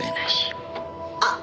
あっ！